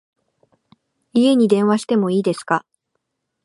家に電話しても良いですか？